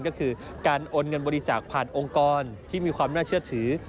ก็คือการโอนเงินบริจาคผ่านองค์กรที่มีความน่าเชื่อถือ